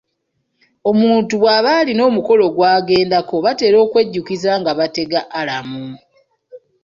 Omuntu bw'aba alina omukolo gw'agendako, batera okwejjukiza nga bategeka alamu.